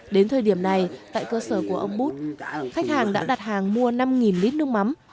đến thời điểm này tại cơ sở của ông bút khách hàng đã đặt hàng mua năm lít nước mắm